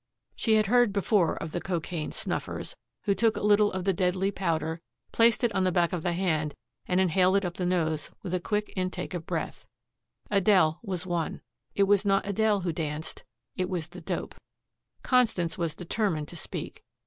She had heard before of the cocaine "snuffers" who took a little of the deadly powder, placed it on the back of the hand, and inhaled it up the nose with a quick intake of breath. Adele was one. It was not Adele who danced. It was the dope. Constance was determined to speak.